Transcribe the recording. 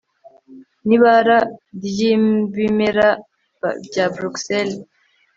nibara ryibimera bya bruxelles